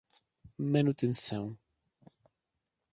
manutenção